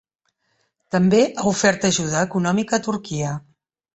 També ha ofert ajuda econòmica a Turquia.